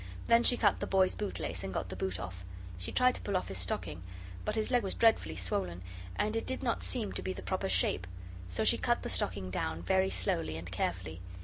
Then she cut the boy's bootlace, and got the boot off. She tried to pull off his stocking, but his leg was dreadfully swollen, and it did not seem to be the proper shape. So she cut the stocking down, very slowly and carefully.